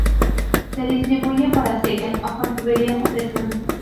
Se distribuye por acequias o por tuberías a presión.